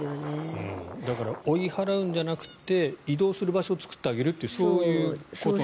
だから、追い払うんじゃなくて移動する場所を作ってあげるってそういうことなんですね。